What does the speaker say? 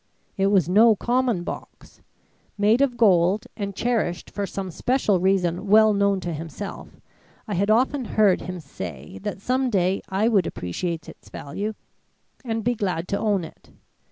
It was no common box. Made of gold and cherished for some special reason well known to himself, I had often heard him say that some day I would appreciate its value and be glad to own it.